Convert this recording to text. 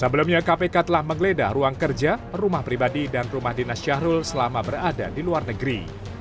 sebelumnya kpk telah menggeledah ruang kerja rumah pribadi dan rumah dinas syahrul selama berada di luar negeri